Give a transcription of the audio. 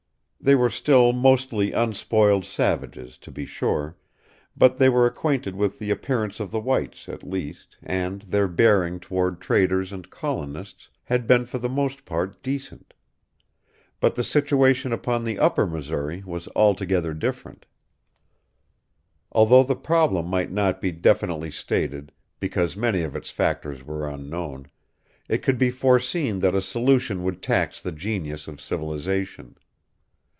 They were still mostly unspoiled savages, to be sure; but they were acquainted with the appearance of the whites, at least, and their bearing toward traders and colonists had been for the most part decent. But the situation upon the Upper Missouri was altogether different. Although the problem might not be definitely stated, because many of its factors were unknown, it could be foreseen that a solution would tax the genius of civilization.